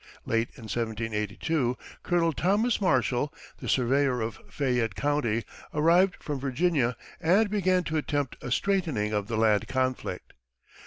Late in 1782, Colonel Thomas Marshall, the surveyor of Fayette County, arrived from Virginia, and began to attempt a straightening of the land conflict.